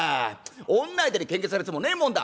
女相手に喧嘩するやつもねえもんだ』。